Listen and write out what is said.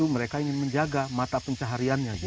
mereka ingin menjaga mata pencahariannya